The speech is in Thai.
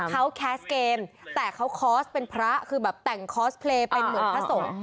เขาแคสเกมแต่เขาคอร์สเป็นพระคือแบบแต่งคอสเพลย์เป็นเหมือนพระสงฆ์